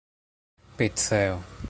piceo